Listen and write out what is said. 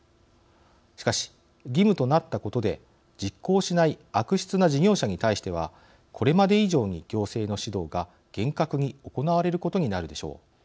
しかし義務となったことで実行しない悪質な事業者に対してはこれまで以上に行政の指導が厳格に行われることになるでしょう。